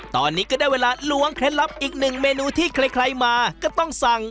ตอนนี้ก็ได้เวลาล้วงเคล็ดลับอีกหนึ่งเมนูที่ใครมาก็ต้องสั่ง